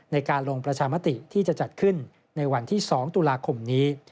ในการลงประชามติที่จะจัดขึ้นในวันที่๒ตุลาคมนี้